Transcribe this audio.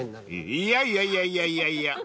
［いやいやいやいやいやいや］